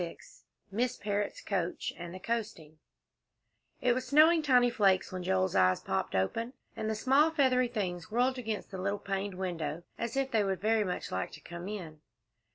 XXVI MISS PARROTT'S COACH AND THE COASTING It was snowing tiny flakes when Joel's eyes popped open, and the small, feathery things whirled against the little paned window, as if they would very much like to come in.